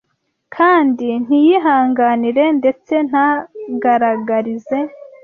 kandi ntiyihanganire ndetse ntagaragarize